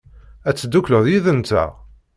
Ad teddukleḍ yid-nteɣ?